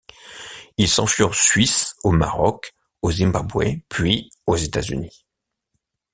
Il s'enfuit en Suisse, au Maroc, au Zimbabwé puis aux États-Unis.